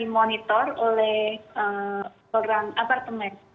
monitor oleh orang apartemen